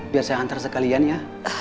biar saya antar sekalian ya